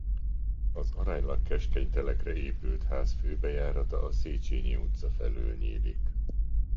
Az aránylag keskeny telekre épült ház főbejárata a Széchenyi utca felől nyílik.